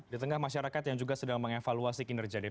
di tengah masyarakat yang juga sedang mengevaluasi kinerja dpr